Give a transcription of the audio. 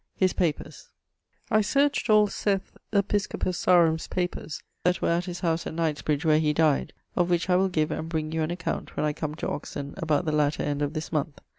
<_His papers._> I searcht all Seth, episcopus Sarum's, papers that were at his house at Knightsbridge where he dyed: of which I will give and bring you an account when I come to Oxon about the latter end of this moneth.